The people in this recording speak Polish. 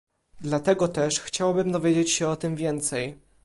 Dlatego też chciałabym dowiedzieć się o tym więcej